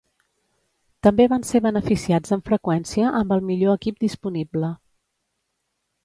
També van ser beneficiats amb freqüència amb el millor equip disponible.